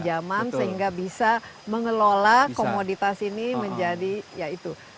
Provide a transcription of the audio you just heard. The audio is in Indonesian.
pinjaman sehingga bisa mengelola komoditas ini menjadi ya itu